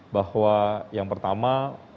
bahwa yang pertama